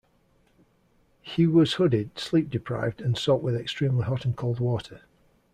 He was hooded, sleep deprived, and soaked with extremely hot and cold water.